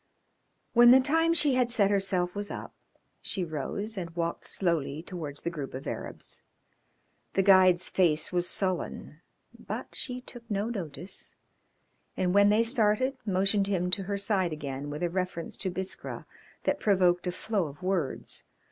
When the time she had set herself was up she rose and walked slowly towards the group of Arabs. The guide's face was sullen, but she took no notice, and, when they started, motioned him to her side again with a reference to Biskra that provoked a flow of words.